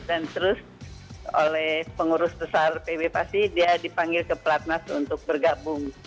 dan terus oleh pengurus besar pb pasti dia dipanggil ke pelatnas untuk bergabung